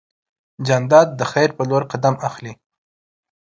جانداد د خیر په لور قدم اخلي.